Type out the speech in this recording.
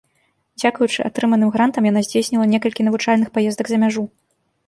Дзякуючы атрыманым грантам яна здзейсніла некалькі навучальных паездак за мяжу.